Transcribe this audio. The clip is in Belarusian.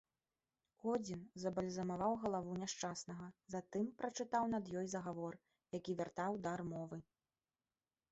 Одзін забальзамаваў галаву няшчаснага, затым прачытаў над ёй загавор, які вяртаў дар мовы.